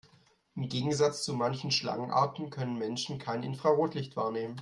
Im Gegensatz zu manchen Schlangenarten können Menschen kein Infrarotlicht wahrnehmen.